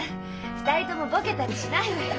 ２人ともボケたりしないわよ。